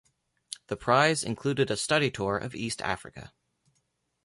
The prize included a study tour of East Africa.